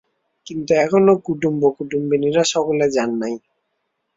কিন্তু এখনও কুটুম্ব-কুটুম্বিনীরা সকলে যান নাই।